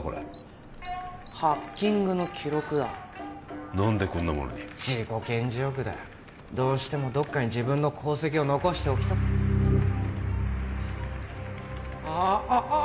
これハッキングの記録だ何でこんなものに自己顕示欲だよどうしてもどっかに自分の功績を残しておきたあっあああ！